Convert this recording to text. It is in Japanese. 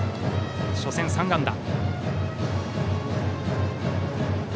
初戦は３安打。